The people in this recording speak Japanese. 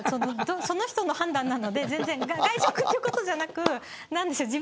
その人の判断なので外食ということじゃなく。